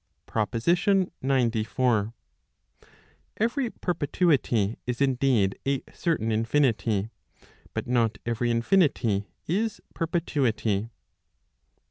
PROPOSITION XCIV. Every perpetuity is indeed a certain infinity, but not every infinity is perpetuity.